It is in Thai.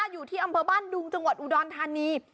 อยู่ที่อำเภอบ้านดุงจังหวัดอุดรธานี